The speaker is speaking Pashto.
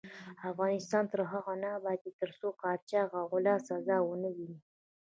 افغانستان تر هغو نه ابادیږي، ترڅو قاچاق او غلا سزا ونه ويني.